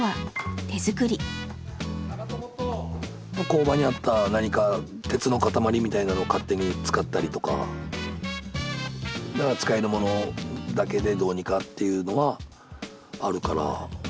工場にあった何か鉄の塊みたいなのを勝手に使ったりとかだから使えるものだけでどうにかっていうのはあるから。